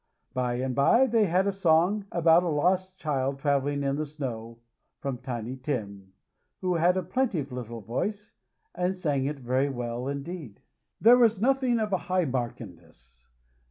By and by they had a song, about a lost child traveling in the snow, from Tiny Tim, who had a plaintive little voice, and sang it very well indeed. There was nothing of high mark in this.